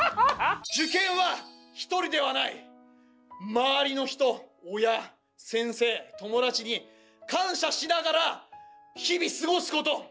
周りの人親先生友達に感謝しながら日々過ごすこと！